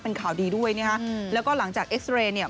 เป็นข่าวดีด้วยนะฮะแล้วก็หลังจากเอ็กซ์เรย์เนี่ย